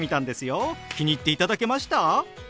気に入っていただけました？